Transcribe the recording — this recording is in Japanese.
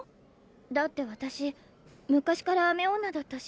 だって私昔から雨女だったし。